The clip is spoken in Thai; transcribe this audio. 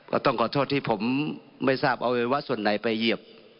ก็ต้องขอโทษที่ผมไม่ทราบอวัยวะส่วนไหนไปเหยียบ